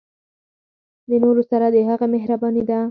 د نورو سره د هغه مهرباني ده.